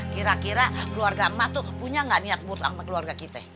kira kira keluarga mak tuh punya gak niat buat ama keluarga kita